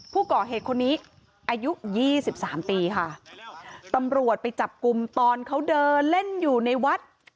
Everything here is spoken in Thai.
ผู้ก่อเหตุคนนี้อายุยี่สิบสามปีค่ะตำรวจไปจับกลุ่มตอนเขาเดินเล่นอยู่ในวัด